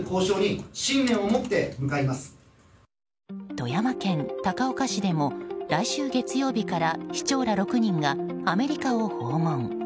富山県高岡市でも来週月曜日から市長ら６人がアメリカを訪問。